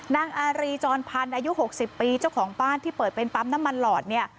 นางอารีจรพันธ์อายุ๖๐ปีเจ้าของบ้านที่เปิดเป็นปั๊มน้ำมันหลอดเนี่ย